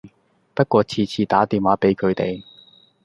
不過次次打電話俾佢哋